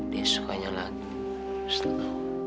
dia sukanya lagu slow